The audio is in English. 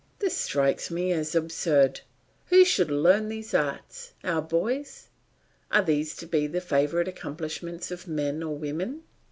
This strikes me as absurd. Who should learn these arts our boys? Are these to be the favourite accomplishments of men or women?